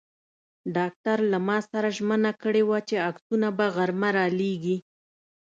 ډاکټر له ما سره ژمنه کړې وه چې عکسونه به غرمه را لېږي.